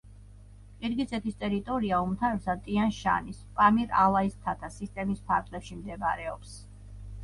ყირგიზეთის ტერიტორია უმთავრესად ტიან-შანისა პამირ-ალაის მთათა სისტემის ფარგლებში მდებარეობს.